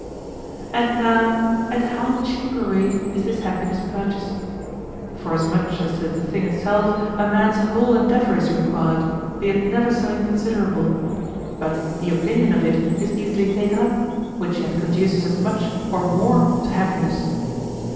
And now at how cheap a rate is this happiness purchased! Forasmuch as to the thing itself a man's whole endeavor is required, be it never so inconsiderable; but the opinion of it is easily taken up, which yet conduces as much or more to happiness.